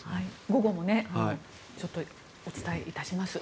午後もお伝えいたします。